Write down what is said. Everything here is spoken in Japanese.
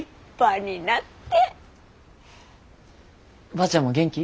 ばあちゃんも元気？